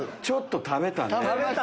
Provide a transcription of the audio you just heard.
ちょっと食べたね。